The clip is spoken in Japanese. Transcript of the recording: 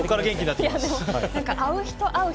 会う人会う人